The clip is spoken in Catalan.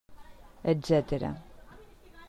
Etcètera.